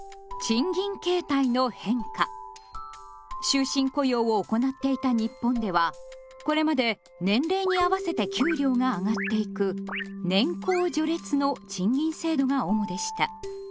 終身雇用を行っていた日本ではこれまで年齢に合わせて給料があがっていく「年功序列」の賃金制度が主でした。